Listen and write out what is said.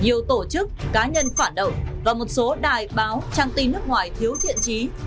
nhiều tổ chức cá nhân phản động và một số đài báo trang tin nước ngoài thiếu thiện trí